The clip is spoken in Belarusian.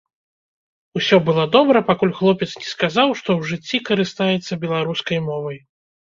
Усё было добра, пакуль хлопец не сказаў, што ў жыцці карыстаецца беларускай мовай.